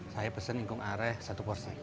saya pesan ingkung areh satu porsi